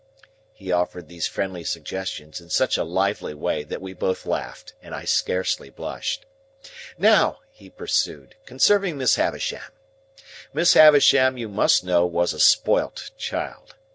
He offered these friendly suggestions in such a lively way, that we both laughed and I scarcely blushed. "Now," he pursued, "concerning Miss Havisham. Miss Havisham, you must know, was a spoilt child.